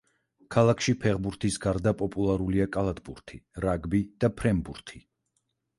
ქალაქში ფეხბურთის გარდა პოპულარულია კალათბურთი, რაგბი და ფრენბურთი.